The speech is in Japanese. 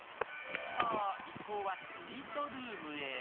一行はスイートルームへ。